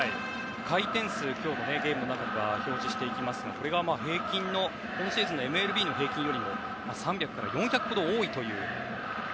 回転数、ゲームの中で今日は表示していきますがこれが平均の今シーズンのＭＬＢの平均よりも３００から４００ほど多いという。